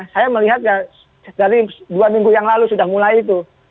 saya melihat dari dua minggu yang lalu sudah mulai itu